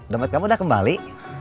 dompetnya sudah kembali